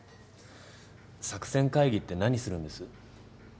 作戦会議って何するんです？